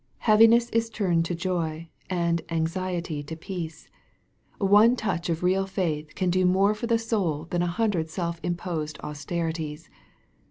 Heaviness is turned to joy, and anxiety to peace. One touch of real faith can do more for the soul than a hundred self imposed austerities.